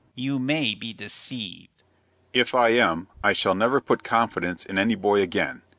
"You may be deceived." "If I am, I shall never put confidence in any boy again.